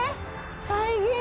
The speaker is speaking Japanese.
再現！